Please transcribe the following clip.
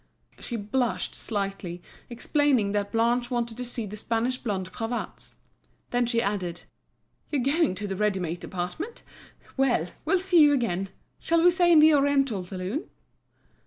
She blushed slightly, explaining that Blanche wanted to see the Spanish blonde cravats. Then she added: "You're going to the ready made department—Well! we'll see you again. Shall we say in the oriental saloon?"